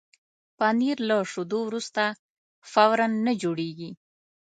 پنېر له شیدو وروسته فوراً نه جوړېږي.